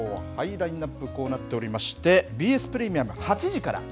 ラインナップ、こうなっておりまして、ＢＳプレミアム８時から。